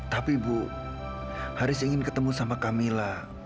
tapi bu haris ingin ketemu sama camilla